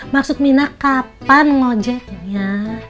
maksud minah kapan ngojeknya